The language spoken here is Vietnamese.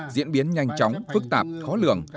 diễn biến nhanh chóng phức tạp khó lường